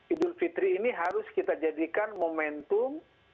idul fitri ini harus kita jadikan momentum